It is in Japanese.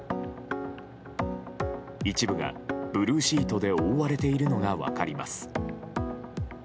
一部がブルーシートで覆われているのが分かります。